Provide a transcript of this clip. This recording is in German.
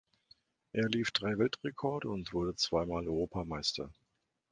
Er lief drei Weltrekorde und wurde zweimal Europameister.